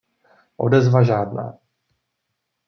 Odezva žádná.